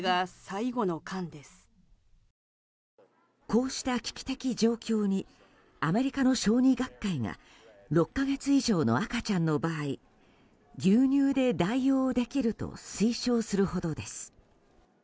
こうした危機的状況にアメリカの小児学会が６か月以上の赤ちゃんの場合牛乳で代用できると推奨するほどです。